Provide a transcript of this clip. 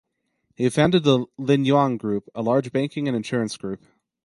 He founded the Lin Yuan Group, a large banking and insurance group.